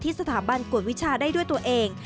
สถาบันกวดวิชาได้ด้วยตัวเอง